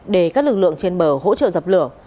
để các lực lượng trên bờ hỗ trợ dập lửa